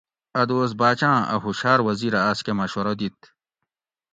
ا دوس باچاں ا ہُوشاۤر وزیرہ آس کہ مشورہ دیت